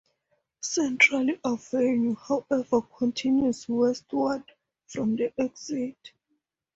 Central Avenue, however, continues westward from the exit.